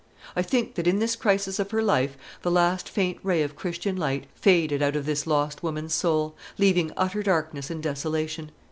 I think that in this crisis of her life the last faint ray of Christian light faded out of this lost woman's soul, leaving utter darkness and desolation.